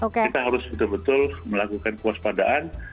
kita harus betul betul melakukan puas padaan